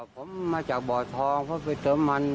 ผมมาจากบ่อทองเพราะไปเติมมัน